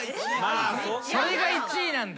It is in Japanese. それが１位なんだ。